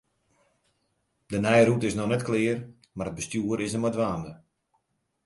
De nije rûte is noch net klear, mar it bestjoer is der mei dwaande.